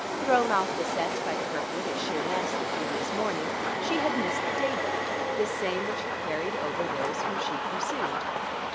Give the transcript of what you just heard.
Thrown off the scent by Kirkwood at Sheerness, the previous morning, she had missed the day boat, the same which had ferried over those whom she pursued.